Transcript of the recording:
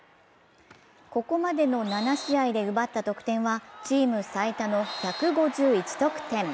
ここまでの７試合で奪った得点はチーム最多の１５１得点。